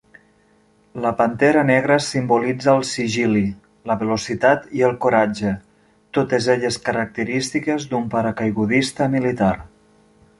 La pantera negra simbolitza el sigil·li, la velocitat i el coratge, totes elles característiques d'un paracaigudista militar.